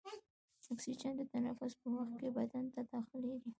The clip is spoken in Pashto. اکسیجن د تنفس په وخت کې بدن ته داخلیږي.